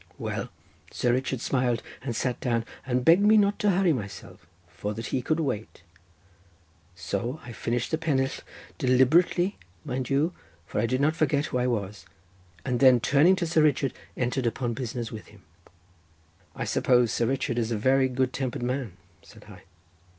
Well, Sir Richard smiled and sat down, and begged me not to hurry myself, for that he could wait. So I finished the pennill, deliberately, mind you, for I did not forget who I was, and then turning to Sir Richard entered upon business with him." "I suppose Sir Richard is a very good tempered man?" said I.